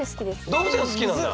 動物園好きなんだ。